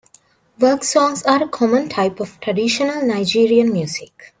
Work songs are a common type of traditional Nigerian music.